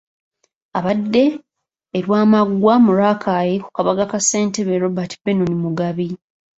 Abadde e Lwamaggwa mu Rakai ku kabaga ka ssentebe Robert Benon Mugabi